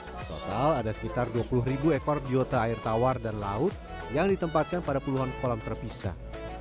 di total ada sekitar dua puluh ribu ekor biota air tawar dan laut yang ditempatkan pada puluhan kolam terpisah